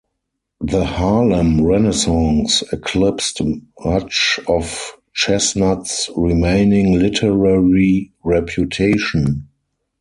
The Harlem Renaissance eclipsed much of Chesnutt's remaining literary reputation.